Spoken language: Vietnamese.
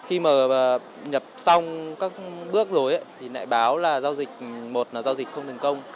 khi mà nhập xong các bước rồi thì lại báo là giao dịch một là giao dịch không thành công